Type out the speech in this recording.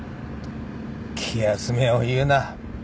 気休めを言うな。